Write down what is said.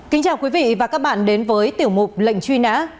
kính chào quý vị và các bạn đến với tiểu mục lệnh truy nã